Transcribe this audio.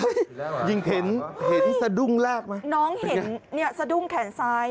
อีกแล้วเหรอสาวเจ้าเจ่าว่ะหึ่ยน้องเห็นเนี่ยสดุ่งแขนซ้าย